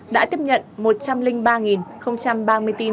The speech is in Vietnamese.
đã tiếp nhận một trăm linh ba ba mươi tin